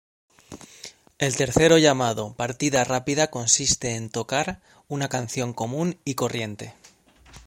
El tercero llamado partida rápida consiste en tocar una canción común y corriente.